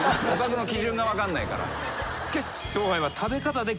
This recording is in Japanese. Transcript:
しかし。